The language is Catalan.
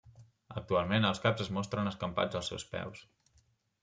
Actualment els caps es mostren escampats als seus peus.